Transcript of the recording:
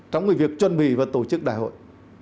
trong việc chuẩn bị và tổ chức đại hội